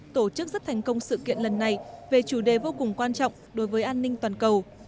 tổ chức rất thành công sự kiện lần này về chủ đề vô cùng quan trọng đối với an ninh toàn cầu